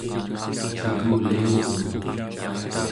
cikuliurun